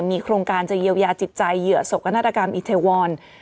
มีโครงการจะเยียวยาจิตใจเหยื่อศพกระนาฏกรรมอิทยาวรรณ์